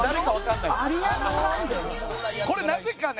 これなぜかね